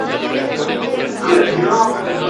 La "cesta" es usada para cualquiera.